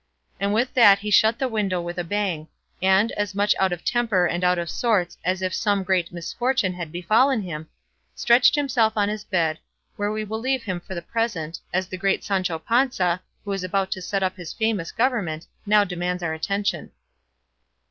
And with that he shut the window with a bang, and, as much out of temper and out of sorts as if some great misfortune had befallen him, stretched himself on his bed, where we will leave him for the present, as the great Sancho Panza, who is about to set up his famous government, now demands our attention.